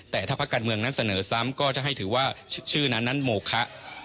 แต่ถ้าภาคการเมืองนั้นเสนอซ้ำก็จะให้ถือว่าชื่อนั้นนั้นโมคะ